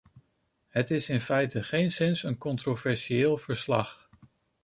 Het is in feite geenszins een controversieel verslag.